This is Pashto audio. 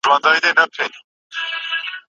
ممکن سوله جګړه کمه کړي.